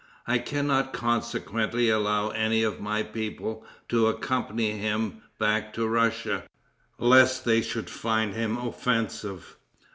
I can not consequently allow any of my people to accompany him back to Russia, lest they should find him offensive.